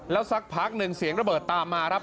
แล้วสักพักหนึ่งเสียงระเบิดตามมาครับ